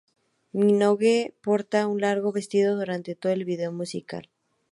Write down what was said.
Minogue porta un largo vestido durante todo el video musical.